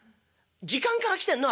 時間から来てんの？